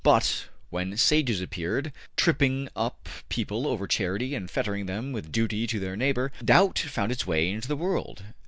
But when Sages appeared, tripping up people over charity and fettering them with duty to their neighbor, doubt found its way into the world.